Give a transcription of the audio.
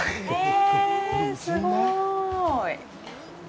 え、すごい。